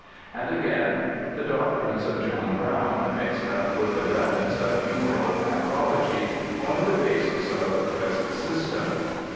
And again, ' The doctrines of John Brown, mixed up with the remnants of humoral pathology, form the basis of the present system.'